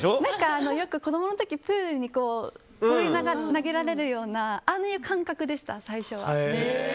よく子供の時プールに放り投げられるようなああいう感覚でした、最初は。